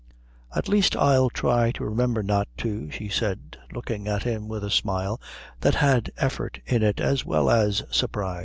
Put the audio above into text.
At least, I'll try to remember not to," she said, looking at him with a smile that had effort in it as well as surprise.